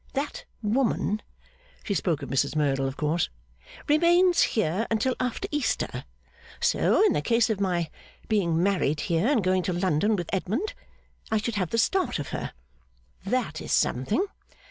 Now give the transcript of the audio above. That woman,' she spoke of Mrs Merdle, of course, 'remains here until after Easter; so, in the case of my being married here and going to London with Edmund, I should have the start of her. That is something.